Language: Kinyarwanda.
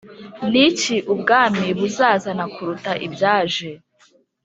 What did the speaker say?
Ni ki Ubwami buzazana kuruta ibyaje